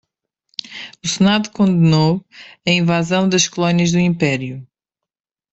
O senado condenou a invasão das colônias do império.